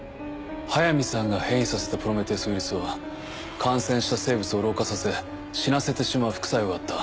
速水さんが変異させたプロメテウス・ウイルスは感染した生物を老化させ死なせてしまう副作用があった。